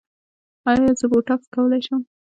ایا زه بوټاکس کولی شم؟